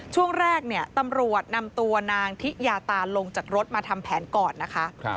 ช่วงแรกเนี่ยตำรวจนำตัวนางทิยาตาลงจากรถมาทำแผนก่อนนะคะ